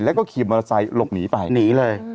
แล้วก็ขี่มอเตอร์ไซค์หลบหนีไปหนีเลย